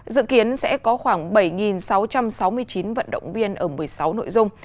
dự kiến sẽ có khoảng bảy sáu trăm sáu mươi chín vận động viên ở một mươi sáu nội dung